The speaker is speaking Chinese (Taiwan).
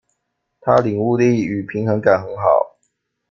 他領悟力與平衡感很好